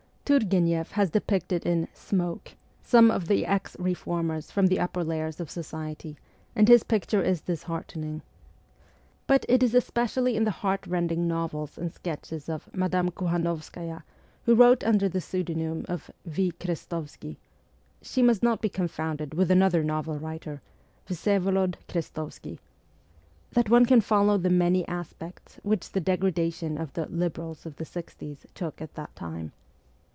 Turgueneff has depicted in ' Smoke ' some of the ex reformers from the upper layers of society, and his picture is disheartening. But it is especially in the heart rending novels and sketches of Madame Kohanovskaya, who wrote under the pseudonym of 'V. Krestovsky' (she must not be confounded with another novel writer, Vs6volod Krestovsky), that one can follow the many aspects which the degradation of the 'liberals of the sixties ' took at that time.